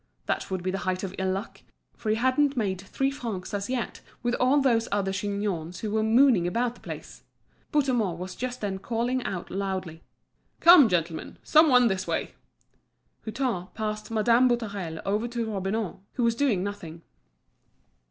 That would be the height of ill luck, for he hadn't made three francs as yet with all those other chignons who were mooning about the place! Bouthemont was just then calling out loudly: "Come, gentlemen, some one this way!" Hutin passed Madame Boutarel over to Robineau, who was doing nothing.